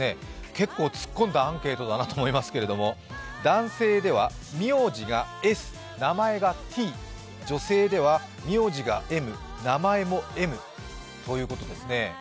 結構突っ込んだアンケートだなと思いますが男性では名字がＳ、名前がＴ、女性では名字がＭ、名前もＭということですね。